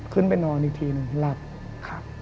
ขึ้นไปนอนอีกทีหนึ่งหลับครับ